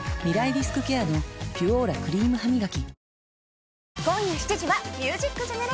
リスクケアの「ピュオーラ」クリームハミガキ